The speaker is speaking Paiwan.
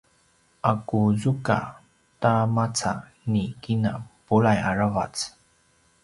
a ku zuga ta maca ni kina bulai aravac